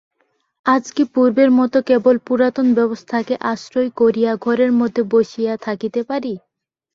আজ কি পূর্বের মতো কেবল পুরাতন ব্যবস্থাকে আশ্রয় করিয়া ঘরের মধ্যে বসিয়া থাকিতে পারি?